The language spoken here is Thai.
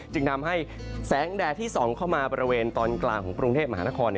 จึงทำให้แสงแดดที่ส่องเข้ามาบริเวณตอนกลางของกรุงเทพมหานคร